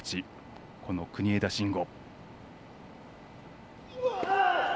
この国枝慎吾。